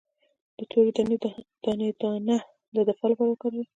د تورې دانې دانه د دفاع لپاره وکاروئ